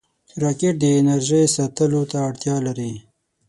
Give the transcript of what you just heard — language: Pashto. راکټ د انرژۍ ساتلو ته اړتیا لري